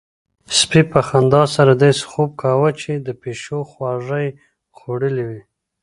سپي په خندا سره داسې خوب کاوه چې د پيشو خواږه يې خوړلي وي.